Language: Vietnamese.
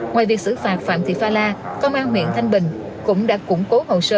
ngoài việc xử phạt phạm thị pha la công an huyện thanh bình cũng đã củng cố hồ sơ